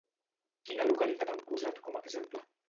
Quina localitat ha posat com a exemple?